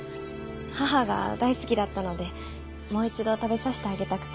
母が大好きだったのでもう一度食べさせてあげたくて。